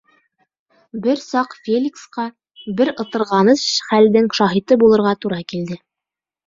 Бер саҡ Феликсҡа бер ытырғаныс хәлдең шаһиты булырға тура килде.